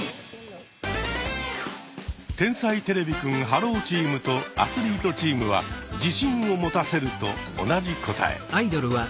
天才てれびくんｈｅｌｌｏ，チームとアスリートチームは「自信を持たせる」と同じ答え。